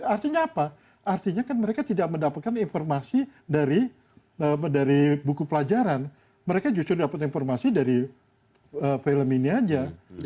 artinya apa artinya kan mereka tidak mendapatkan informasi dari buku pelajaran mereka justru dapat informasi dari film ini aja